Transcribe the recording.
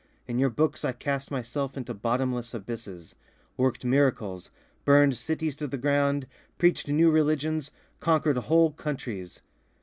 In your books I cast myself into bottomless abysses, worked miracles, burned cities to the ground, preached new religions, conquered whole countries...